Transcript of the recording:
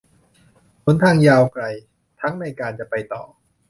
หนทางยาวไกล ทั้งในการจะไปต่อ